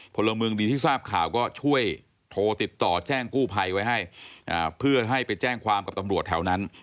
พลเมืองดีที่ทราบข่าวก็ช่วยโทรติดต่อแจ้งกู้ภัยไว้ให้เพื่อให้ไปแจ้งความกับตำรวจแถวนั้น